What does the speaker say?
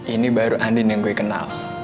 ini baru andin yang gue kenal